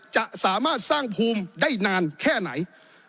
จะสามารถสร้างภูมิได้นานแค่ไหน